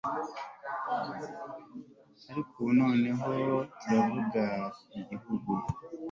ariko ubu noneho turavuga igihugu